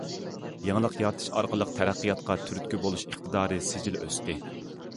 يېڭىلىق يارىتىش ئارقىلىق تەرەققىياتقا تۈرتكە بولۇش ئىقتىدارى سىجىل ئۆستى.